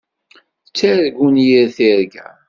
Ttargun yir tirga.